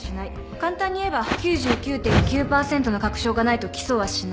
簡単にいえば９９．９％の確証がないと起訴はしない。